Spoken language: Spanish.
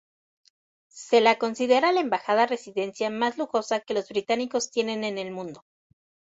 Se la considera la embajada-residencia más lujosa que los británicos tienen en el mundo.